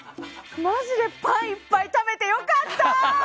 マジでパンいっぱい食べて良かった！